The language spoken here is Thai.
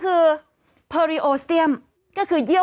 กรมป้องกันแล้วก็บรรเทาสาธารณภัยนะคะ